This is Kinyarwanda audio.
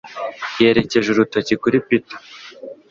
Yerekeje urutoki kuri Peter.